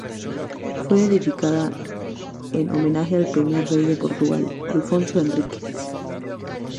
Fue edificada en homenaje al primer rey de Portugal, Alfonso Enríquez.